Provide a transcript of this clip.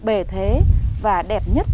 bề thế và đẹp nhất